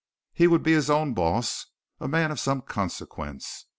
He would be his own boss a man of some consequence.